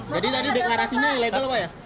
jadi tadi deklarasinya legal pak ya